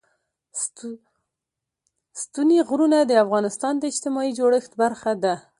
ستوني غرونه د افغانستان د اجتماعي جوړښت برخه ده.